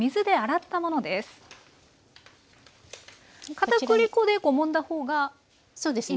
かたくり粉でもんだ方がいいんですね。